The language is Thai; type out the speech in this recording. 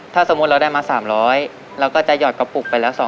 ถ้าสมมติเราได้มา๓๐๐แล้วก็จะหยอดกระปุกไปละ๒๐๐